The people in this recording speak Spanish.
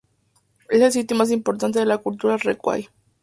Es el sitio más importante de la cultura Recuay.